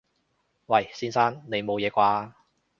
喂！先生！你冇嘢啩？